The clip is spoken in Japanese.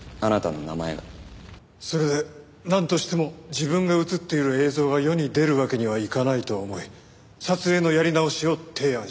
それでなんとしても自分が映っている映像が世に出るわけにはいかないと思い撮影のやり直しを提案した。